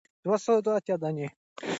که موږ یې ساتنه وکړو.